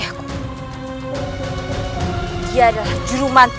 apa dia rindu kaya jahat